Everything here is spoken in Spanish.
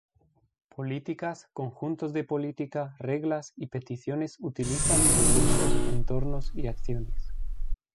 Políticas, conjuntos de política, reglas y peticiones utilizan recursos, entornos, y acciones.